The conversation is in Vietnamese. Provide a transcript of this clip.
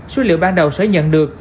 số liệu ban đầu sẽ nhận được